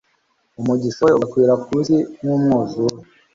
umugisha we ugakwira ku isi nk'umwuzure